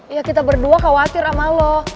ya kita berdua khawatir sama lo